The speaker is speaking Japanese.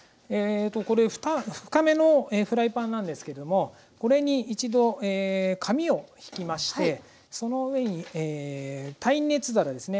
これ深めのフライパンなんですけどもこれに一度紙をひきましてその上に耐熱皿ですね。